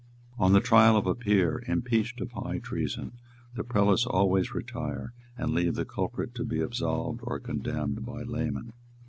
On the trial of a peer impeached of high treason, the prelates always retire, and leave the culprit to be absolved or condemned by laymen.